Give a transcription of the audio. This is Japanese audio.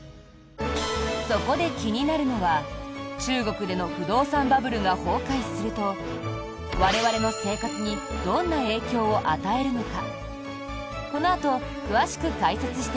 そこで気になるのは中国での不動産バブルが崩壊すると我々の生活にどんな影響を与えるのか？